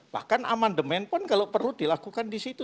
bahkan amandemen pun kalau perlu dilakukan di situ